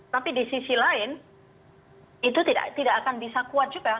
tapi di sisi lain itu tidak akan bisa kuat juga